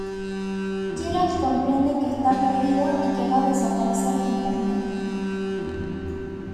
Gerald comprende que está perdido y que va a desaparecer de Internet.